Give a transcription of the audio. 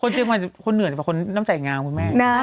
เชียงใหม่คนเหนื่อยจะเป็นคนน้ำใจงามคุณแม่